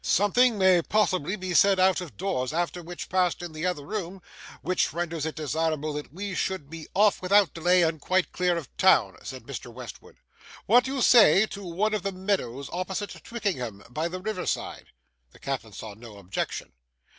'Something may possibly be said, out of doors, after what passed in the other room, which renders it desirable that we should be off without delay, and quite clear of town,' said Mr. Westwood. 'What do you say to one of the meadows opposite Twickenham, by the river side?' The captain saw no objection.